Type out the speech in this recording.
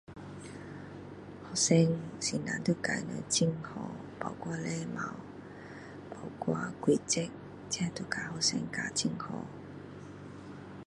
學生老師要教他們很好包括禮貌包括規則這都教學生教很好